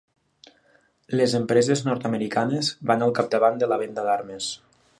Les empreses nord-americanes van al capdavant de la venda d’armes.